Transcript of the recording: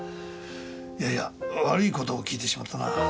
いやいや悪い事を訊いてしまったな。